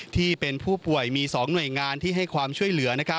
ที่เป็นผู้ป่วยมี๒หน่วยงานที่ให้ความช่วยเหลือ